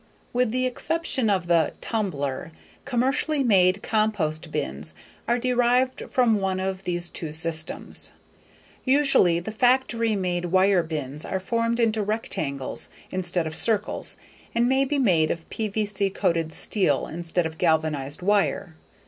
With the exception of the "tumbler," commercially made compost bins are derived from one of these two systems. Usually the factory made wire bins are formed into rectangles instead of circles and may be made of PVC coated steel instead of galvanized wire.